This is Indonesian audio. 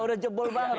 udah jebol banget